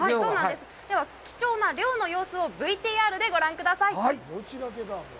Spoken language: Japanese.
では貴重な漁の様子をＶＴＲでご覧ください。